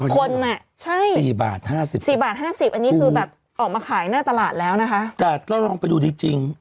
คนอ่ะใช่๔บาท๕๐๔บาท๕๐อันนี้คือแบบออกมาขายหน้าตลาดแล้วนะคะแต่เราลองไปดูจริง